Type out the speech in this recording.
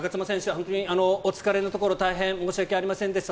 本当にお疲れのところ大変申し訳ありませんでした。